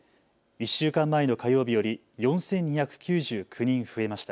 １週間前の火曜日より４２９９人増えました。